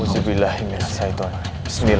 ada di reviews terus ada lina